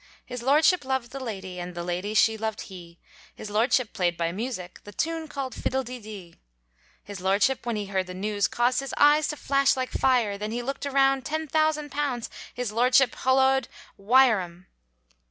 His lordship loved the lady, And the lady she loved he, His lordship played by music, The tune called fiddle de dee. His lordship when he heard the news, Caused his eyes to flash like fire then He looked around, ten thousand pounds His lordship holloaed, "wire em."